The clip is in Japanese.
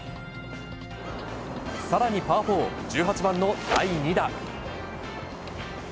さらにパー４、１８番の第２打。